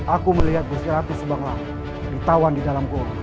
aku melihat busir ratu sembangla ditawan di dalam gol